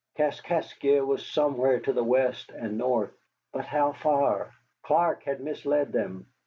Kaskaskia was somewhere to the west and north; but how far? Clark had misled them.